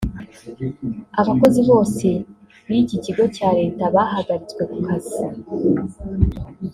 Abakozi bose b’iki kigo cya Leta bahagaritswe ku kazi